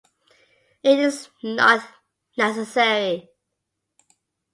It is not necessary.